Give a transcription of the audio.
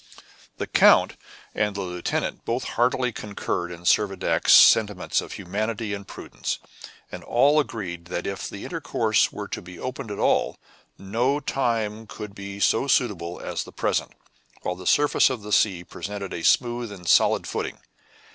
The count and the lieutenant both heartily concurred in Servadac's sentiments of humanity and prudence, and all agreed that if the intercourse were to be opened at all, no time could be so suitable as the present, while the surface of the sea presented a smooth and solid footing.